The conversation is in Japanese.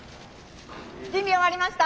準備終わりました。